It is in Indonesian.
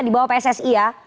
di bawah pssi ya